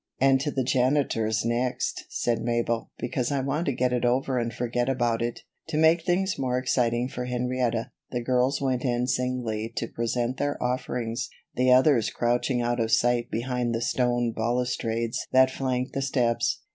"And to the Janitor's next," said Mabel, "because I want to get it over and forget about it." To make things more exciting for Henrietta, the girls went in singly to present their offerings, the others crouching out of sight behind the stone balustrades that flanked the steps.